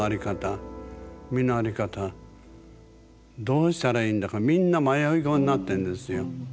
どうしたらいいんだかみんな迷い子になってんですよ。